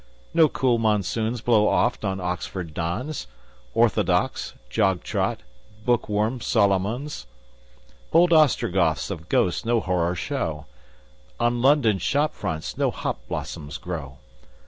No cool monsoons blow oft on Oxford dons. Orthodox, jog trot, book worm Solomons! Bold Ostrogoths of ghosts no horror show. On London shop fronts no hop blossoms grow.